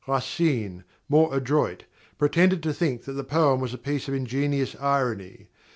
Racine, more adroit, pretended to think that the poem was a piece of ingenious irony.